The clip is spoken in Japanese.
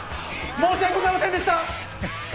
申し訳ございませんでした！